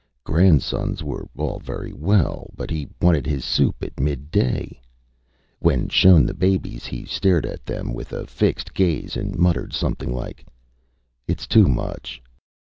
Grandsons were all very well, but he wanted his soup at midday. When shown the babies, he stared at them with a fixed gaze, and muttered something like: ÂItÂs too much.